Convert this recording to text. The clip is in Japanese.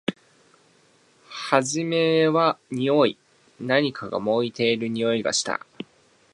はじめはにおい。何かが燃えているにおいがした。